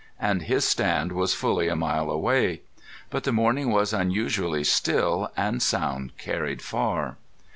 And his stand was fully a mile away. But the morning was unusually still and sound carried far.